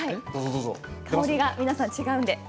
香りが皆さん違います。